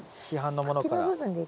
市販のものから。